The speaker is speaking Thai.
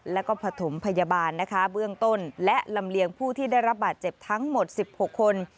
แล้วก็ผสมพยาบาลนะคะเบื้องต้นและลำเลียงผู้ที่ได้รับบาดเจ็บทั้งหมด๑๖คน